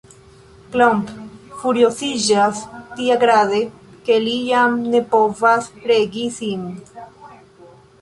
Klomp furioziĝas tiagrade, ke li jam ne povas regi sin.